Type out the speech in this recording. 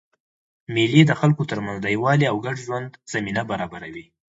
مېلې د خلکو ترمنځ د یووالي او ګډ ژوند زمینه برابروي.